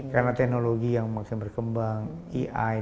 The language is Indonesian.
karena teknologi yang makin berkembang ia dan sebagainya